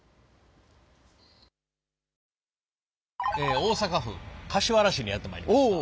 大阪府柏原市にやって参りました。